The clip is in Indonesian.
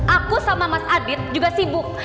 aku sama mas adit juga sibuk